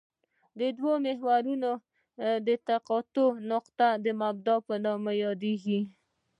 د دواړو محورونو د تقاطع نقطه د مبدا په نوم یادیږي